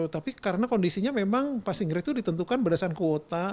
tapi karena kondisinya memang passing grade itu ditentukan berdasarkan kuota